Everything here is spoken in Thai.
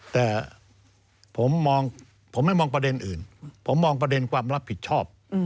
แต่ผมมองผมไม่มองประเด็นอื่นผมมองประเด็นความรับผิดชอบ